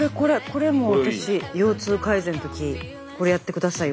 これも私腰痛改善の時にこれやってください